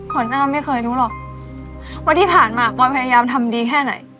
หน้าไม่เคยรู้หรอกว่าที่ผ่านมาปอยพยายามทำดีแค่ไหน